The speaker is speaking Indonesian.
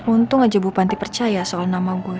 untung aja bu panti percaya soal nama gue